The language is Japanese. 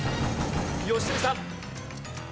良純さん。